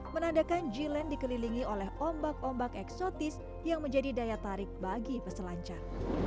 menandakan g land dikelilingi oleh ombak ombak eksotis yang menjadi daya tarik bagi peselancar